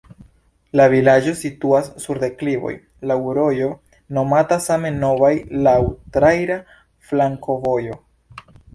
La vilaĝo situas sur deklivoj, laŭ rojo nomata same Novaj, laŭ traira flankovojo.